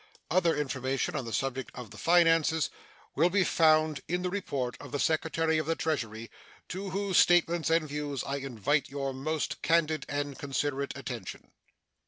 Other information on the subject of the finances will be found in the report of the Secretary of the Treasury, to whose statements and views I invite your most candid and considerate attention.